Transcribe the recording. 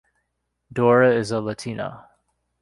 Dora is a Latina.